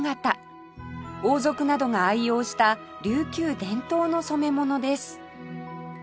王族などが愛用した琉球伝統の染め物です